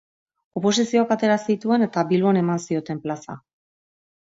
Oposizioak atera zituen eta Bilbon eman zioten plaza.